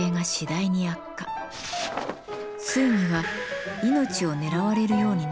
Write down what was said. ついには命を狙われるようになります。